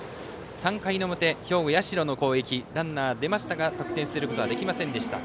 ３回の表、兵庫、社の攻撃ランナー出ましたが得点することはできませんでした。